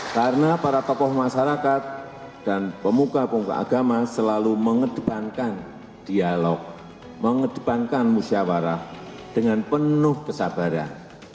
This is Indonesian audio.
karena para tokoh masyarakat dan pemuka pemuka agama selalu mengedepankan dialog mengedepankan musyawarah dengan penuh kesabaran